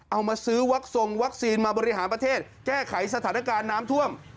เอามาซื้อวักทรงวัคซีนมาบริหารประเทศแก้ไขสถานการณ์น้ำท่วม